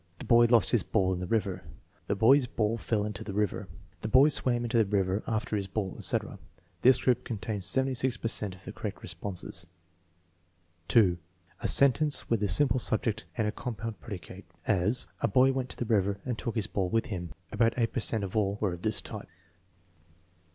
"The boy lost his ball in the river.*' "The boy's ball fell into the river." "The boy swam into the river after his ball/' etc. This group contains 76 per cent of the correct responses. () A sentence with a simple subject and a compound predicate; as: "A boy went to the river and took his ball with him." About 8 per cent of all were of this type.